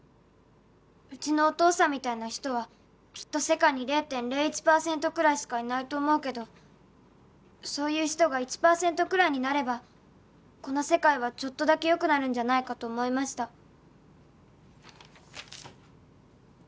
「うちのお父さんみたいな人はきっと世界に０．０１パーセントくらいしかいないと思うけどそういう人が１パーセントくらいになればこの世界はちょっとだけ良くなるんじゃないかと思いました」